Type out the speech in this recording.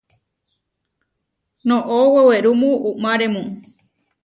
Noʼó wewerúmu umáremu.